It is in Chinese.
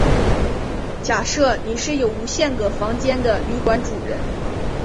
假设你是有无限个房间的旅馆主人。